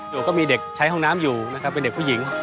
ก็มีเด็กใช้ห้องน้ำอยู่นะครับเป็นเด็กผู้หญิง